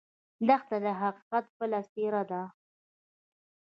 دښته د حقیقت بله څېره ده.